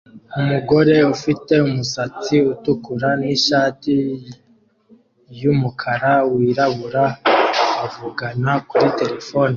Umugore ufite umusatsi utukura nishati yumukara wirabura avugana kuri terefone